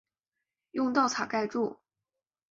用稻草盖著